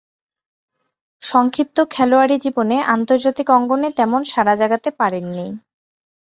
সংক্ষিপ্ত খেলোয়াড়ী জীবনে আন্তর্জাতিক অঙ্গনে তেমন সাড়া জাগাতে পারেননি।